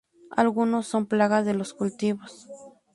Algunos son plagas de los cultivos.